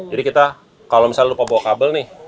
jadi kita kalau misalnya lupa bawa kabel nih